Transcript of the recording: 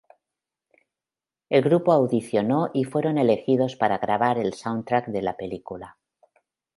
El grupo audicionó y fueron elegidos para grabar el soundtrack de la película.